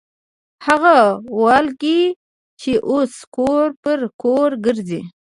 هغه والګي چې اوس کور پر کور ګرځي.